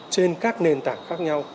trên các nền tảng khác nhau